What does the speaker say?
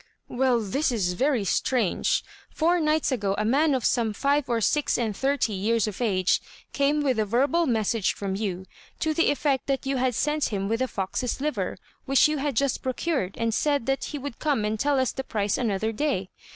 "Well, this is very strange. Four nights ago, a man of some five or six and thirty years of age came with a verbal message from you, to the effect that you had sent him with a fox's liver, which you had just procured, and said that he would come and tell us the price another day.